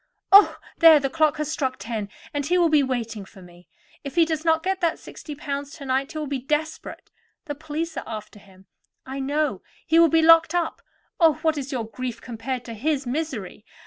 Oh, there, the clock has struck ten, and he will be waiting for me. If he does not get that sixty pounds to night he will be desperate. The police are after him, I know; he will be locked up. Oh! what is your grief compared to his misery?